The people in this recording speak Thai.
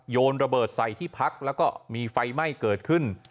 โยนระเบิดใส่ที่พักแล้วก็มีไฟไหม้เกิดขึ้น